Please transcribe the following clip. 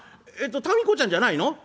えっとたみこちゃんじゃないの？」。